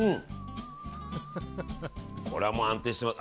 これは安定してます。